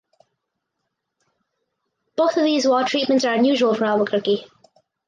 Both of these wall treatments are unusual for Albuquerque.